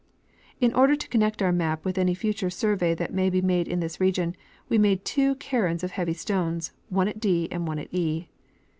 In order to connect our map with any future survey that may Ije made in this region, we made two cairns of heavy stones, one at D and one at E.